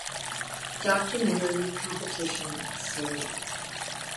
Documentary Competition slate.